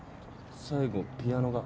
最後ピアノが。